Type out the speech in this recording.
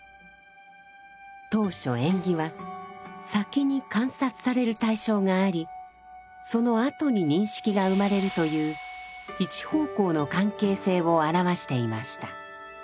当初縁起は先に観察される対象がありそのあとに認識が生まれるという一方向の関係性を表していました。